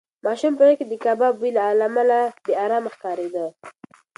ماشوم په غېږ کې د کباب بوی له امله بې ارامه ښکارېده.